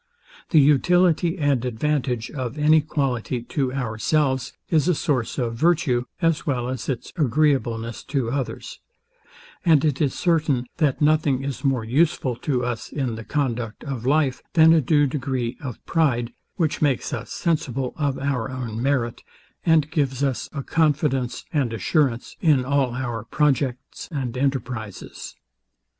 The utility and advantage of any quality to ourselves is a source of virtue, as well as its agreeableness to others; and it is certain, that nothing is more useful to us in the conduct of life, than a due degree of pride, which makes us sensible of our own merit, and gives us a confidence and assurance in all our projects and enterprizes.